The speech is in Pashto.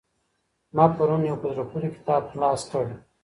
ما پرون يو په زړه پوري کتاب خلاص کړ.